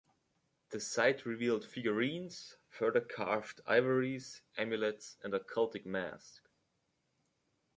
The site revealed figurines, further carved ivories, amulets and a cultic mask.